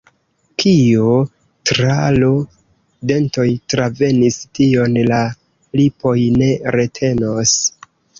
Kio tra l' dentoj travenis, tion la lipoj ne retenos.